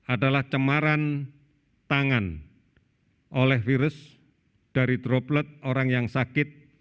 adalah cemaran tangan oleh virus dari droplet orang yang sakit